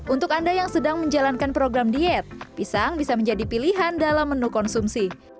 untuk anda yang sedang menjalankan program diet pisang bisa menjadi pilihan dalam menu konsumsi